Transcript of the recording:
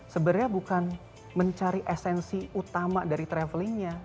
sebenarnya bukan mencari esensi utama dari travelingnya